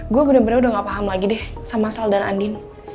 gue bener bener udah gak paham lagi deh sama sel dan andin